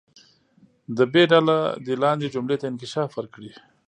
د ب ډله دې لاندې جملې ته انکشاف ورکړي.